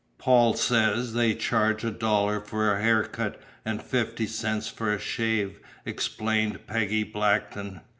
"Paul says they charge a dollar for a haircut and fifty cents for a shave," explained Peggy Blackton.